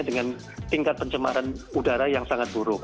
dengan tingkat pencemaran udara yang sangat buruk